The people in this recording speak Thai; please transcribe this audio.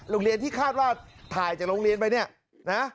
โรงเรียนที่คาดว่าถ่ายจากโรงเรียนไปเนี่ยนะ